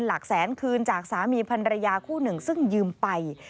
หลักแสนคืนจากสามีพันรยาคู่หนึ่งซึ่งยืมไป